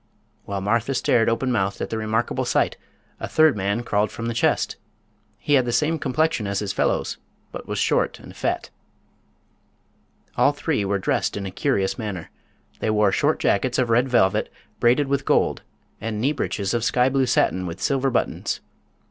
While Martha stared open mouthed at the remarkable sight a third man crawled from the chest. He had the same complexion as his fellows, but was short and fat. All three were dressed in a curious manner. They wore short jackets of red velvet braided with gold, and knee breeches of sky blue satin with silver buttons.